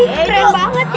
keren banget ya